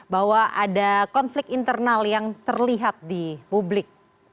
bahwa ada konflik internal yang terlihat di publik